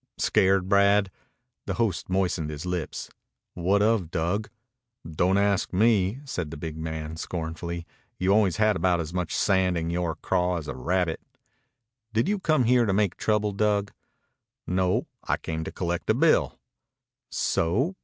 "Scared, Brad?" The host moistened his lips. "What of, Dug?" "Don't ask me," said the big man scornfully. "You always had about as much sand in yore craw as a rabbit." "Did you come here to make trouble, Dug?" "No, I came to collect a bill." "So?